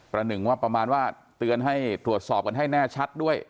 หนึ่งว่าประมาณว่าเตือนให้ตรวจสอบกันให้แน่ชัดด้วย